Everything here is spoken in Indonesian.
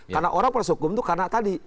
karena orang proses hukum itu karena tadi